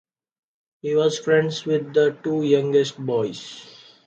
He was friends with the two youngest boys.